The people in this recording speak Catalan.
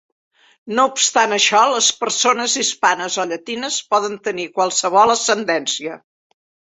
No obstant això, les persones hispanes o llatines poden tenir qualsevol ascendència.